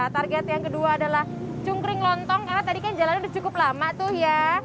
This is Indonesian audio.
target yang kedua adalah cungkring lontong karena tadi kan jalan udah cukup lama tuh ya